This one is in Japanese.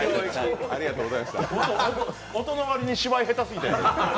音の割に芝居下手すぎて。